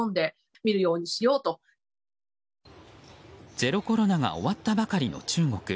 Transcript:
ゼロコロナが終わったばかりの中国。